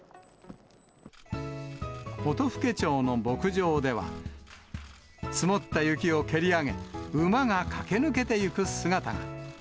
音更町の牧場では、積もった雪を蹴り上げ、馬が駆け抜けていく姿が。